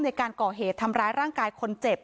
ในการก่อเหตุทำร้ายร่างกายคนเจ็บ